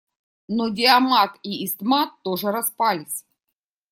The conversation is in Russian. Но диамат и истмат тоже распались.